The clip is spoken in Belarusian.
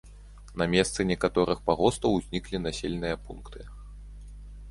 На месцы некаторых пагостаў узніклі населеныя пункты.